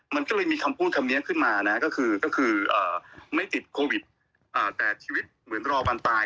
มันก็เลยมีคำพูดคำนี้ขึ้นมานะก็คือไม่ติดโควิดแต่ชีวิตเหมือนรอวันตาย